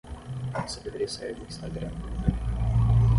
Você deveria sair do Instagram por um tempo.